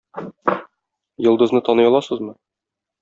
Йолдызны таный аласызмы?